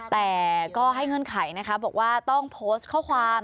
แต่ก็ให้เงื่อนไขนะคะบอกว่าต้องโพสต์ข้อความ